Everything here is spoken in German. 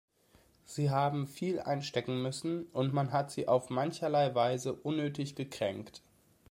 Sie haben viel einstecken müssen, und man hat sie auf mancherlei Weise unnötig gekränkt.